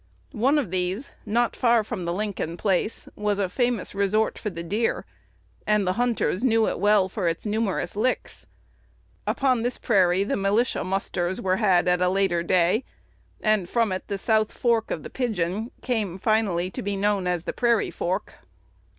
One of these, not far from the Lincoln place, was a famous resort for the deer, and the hunters knew it well for its numerous "licks." Upon this prairie the militia "musters" were had at a later day, and from it the south fork of the Pigeon came finally to be known as the "Prairie Fork."